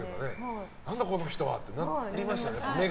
何だこの人はってなりましたけど。